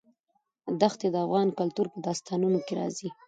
دښتې د افغان کلتور په داستانونو کې راځي.